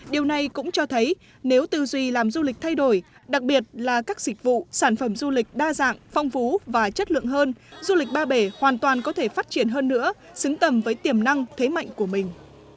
điều này cũng cho thấy nếu tư duy làm du lịch thay đổi đặc biệt là các dịch vụ sản phẩm du lịch đa dạng phong phú và chất lượng hơn du lịch ba bể hoàn toàn có thể phát triển hơn nữa xứng tầm với tiềm năng thế mạnh của mình